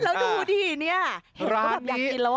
แล้วดูดิเนี่ยเห็นเขาแบบอยากกินแล้ว